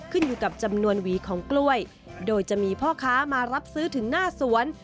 ขึ้นอยู่กับจำนวนหวีของกล้วยโดยจะมีพ่อค้ามารับซื้อถึงหน้าสวน